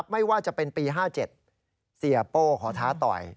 ไม่ว่าจะเป็นปี๕๗เสียโป้ขอท้าต่อย